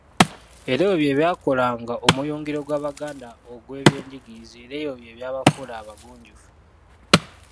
Era ebyo bye byakolanga omuyungiro gw’Abaganda ogw’ebyenjigiriza era ebyo bye byabafuula abagunjufu.